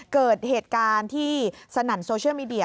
เกิดเหตุการณ์ที่สนั่นโซเชียลมีเดีย